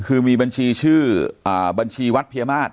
คือมีบัญชีชื่อบัญชีวัดเพียมาศ